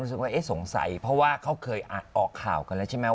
รู้สึกว่าเอ๊ะสงสัยเพราะว่าเขาเคยอ่านออกข่าวกันแล้วใช่ไหม